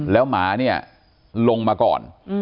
แล้วหมาเนี่ยลงมาก่อน